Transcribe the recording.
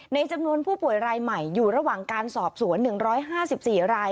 ในจำนวนผู้ป่วยรายใหม่อยู่ระหว่างการสอบสวนหนึ่งร้อยห้าสิบสี่ราย